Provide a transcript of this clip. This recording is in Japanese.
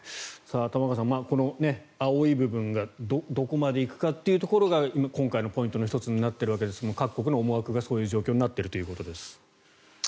玉川さん、青い部分がどこまで行くかってところが今回のポイントの１つになっているわけですが各国の思惑がそういう状況になっているということです。